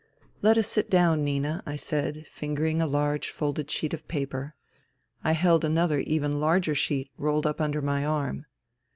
" Let us sit down, Nina," I said, fingering a large folded sheet of paper. I held another even larger sheet, rolled up under my arm.